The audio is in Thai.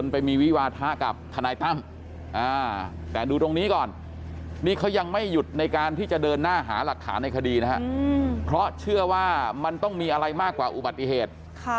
เพราะว่ามันต้องมีอะไรมากกว่าอุบัติเหตุ